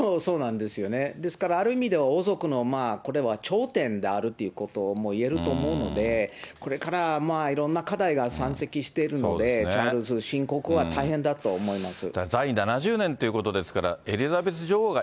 ですから、ある意味では王族のこれは頂点であるってこともいえると思うので、これからいろんな課題が山積しているので、チャールズ新国王は大変だと思います。